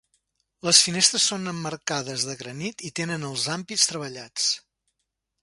Les finestres són emmarcades de granit i tenen els ampits treballats.